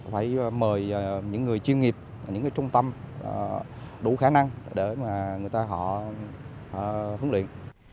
phải mời những người chuyên nghiệp những trung tâm đủ khả năng để mà người ta họ huấn luyện